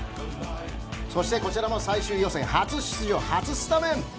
そしてこちらも最終予選初出場初スタメン！